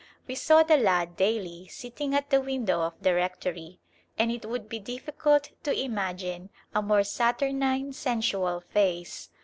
We saw the lad daily sitting at the window of the rectory, and it would be difficult to imagine a more saturnine, sensual face.